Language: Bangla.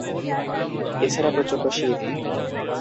এ ছাড়া প্রচণ্ড শীত।